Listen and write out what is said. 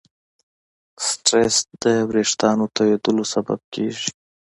سټرېس د وېښتیانو تویېدلو سبب کېږي.